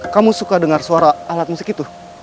kamu suka dengar suara alat musik itu